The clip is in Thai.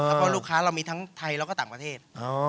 แล้วก็ลูกค้าเรามีทั้งไทยแล้วก็ต่างประเทศ